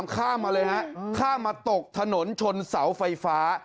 ข้ามมาตกถนนชนเสาแสงไฟฟ้า